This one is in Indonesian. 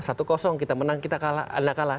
satu kosong kita menang kita kalah